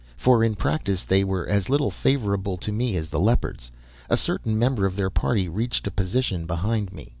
For in practice they were as little favorable to me as the Leopards. A certain member of their party reached a position behind me.